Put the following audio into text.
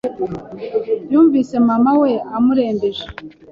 yumvise Mama we amurembeje